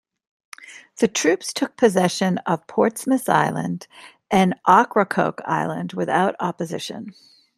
The troops took possession of Portsmouth Island and Ocracoke Island without opposition.